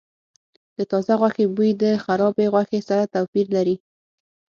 د تازه غوښې بوی د خرابې غوښې سره توپیر لري.